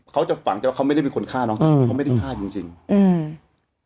เขาจะฝังใจว่าเขาไม่ได้เป็นคนฆ่าน้องอืมเขาไม่ได้ฆ่าจริงจริงอืม